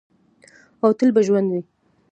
او تل به ژوندی وي.